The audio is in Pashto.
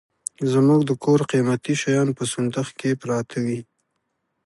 زموږ د کور قيمتي شيان په صندوخ کي پراته وي.